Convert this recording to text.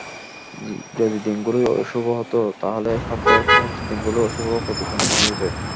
যদি দিনগুলোই অশুভ হত তাহলে সপ্তাহের সমস্ত দিনগুলোই অশুভ প্রতিপন্ন হয়ে যায়।